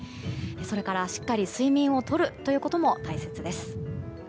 それからしっかり睡眠をとるということも大切です。